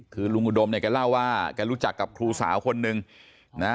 คือลุงอุดมเนี่ยแกเล่าว่าแกรู้จักกับครูสาวคนนึงนะ